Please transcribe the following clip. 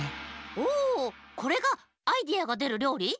おこれがアイデアがでるりょうり？